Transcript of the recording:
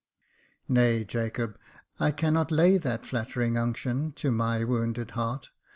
"Nay, Jacob, I cannot lay that flattering unction to my wounded heart.